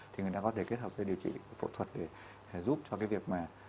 thì người ta có thể kết hợp về điều trị phẫu thuật để giúp cho cái việc mà